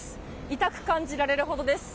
痛く感じられるほどです。